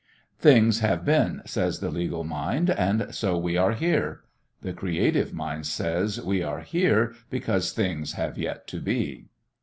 Things have been, says the legal mind, and so we are here. The creative mind says we are here because things have yet to be.